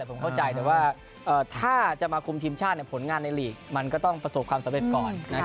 ผมเข้าใจแต่ว่าถ้าจะมาคุมทีมชาติผลงานในลีกมันก็ต้องประสบความสำเร็จก่อน